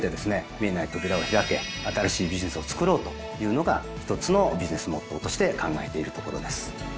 見えない扉を開け新しいビジネスをつくろうというのが一つのビジネスモットーとして考えているところです。